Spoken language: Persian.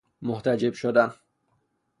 محتجب شدن